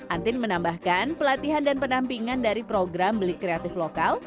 antin menambahkan pelatihan dan penampingan dari program beli kreatif lokal